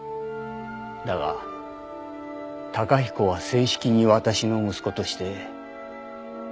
だが崇彦は正式に私の息子として。